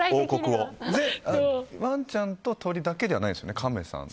ワンちゃんと鳥だけではないですよね。